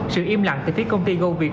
sự im lặng thì phía công ty gâu việc